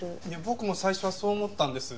僕も最初はそう思ったんです。